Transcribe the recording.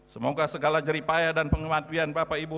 semoga segala jeripaya dan penggematian bapak ibu